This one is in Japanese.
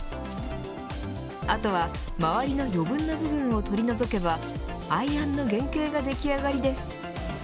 あとは、周りの余分な部分を取り除けばアイアンの原型ができ上がりです。